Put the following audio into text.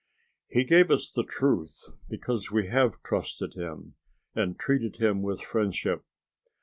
"He gave us the truth because we have trusted him, and treated him with friendship.